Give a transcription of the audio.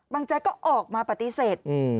แจ๊กก็ออกมาปฏิเสธ